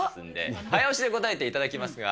早押しで答えていただきますが。